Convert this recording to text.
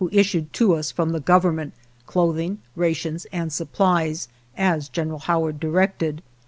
128 REMOVALS sued to us from the Government clothing, rations, and supplies, as General Howard directed.